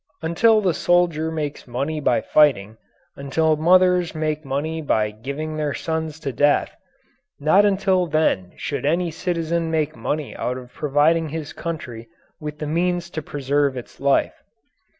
Until the soldier makes money by fighting, until mothers make money by giving their sons to death not until then should any citizen make money out of providing his country with the means to preserve its life.